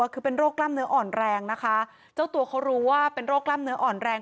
คือเป็นโรคกล้ามเนื้ออ่อนแรงนะคะเจ้าตัวเขารู้ว่าเป็นโรคกล้ามเนื้ออ่อนแรง